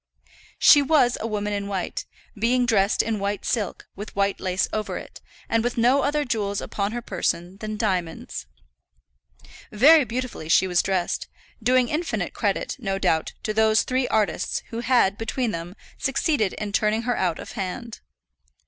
She was a woman in white, being dressed in white silk, with white lace over it, and with no other jewels upon her person than diamonds. Very beautifully she was dressed; doing infinite credit, no doubt, to those three artists who had, between them, succeeded in turning her out of hand.